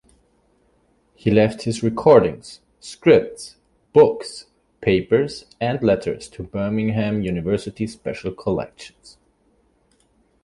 He left his recordings, scripts, books, papers and letters to Birmingham University Special Collections.